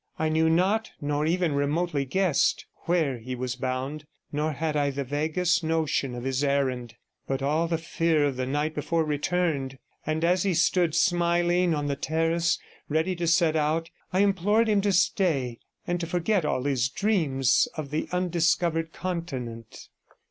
I knew not, nor even remotely guessed, where he was bound, nor had I the vaguest notion of his errand, but all the fear of the night before returned; and as he stood, smiling, on the terrace, ready to set out, I implored him to stay, and to forget all his dreams of the undiscovered continent.